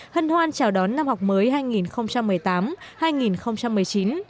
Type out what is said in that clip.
hân hoan chào đón năm học mới hai nghìn một mươi tám hai nghìn một mươi chín